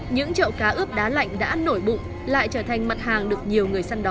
những chậu cá ướp đá lạnh đã nổi bụng lại trở thành mặt hàng được nhiều người săn đói